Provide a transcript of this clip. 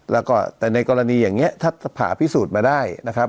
แล้วก็แต่ในกรณีอย่างนี้ถ้าผ่าพิสูจน์มาได้นะครับ